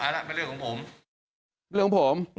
เรื่องของผม